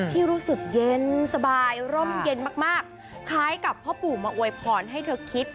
ที่รู้สึกเย็นสบายร่มเย็นมากคล้ายกับพ่อปู่มาอวยพรให้เธอคิด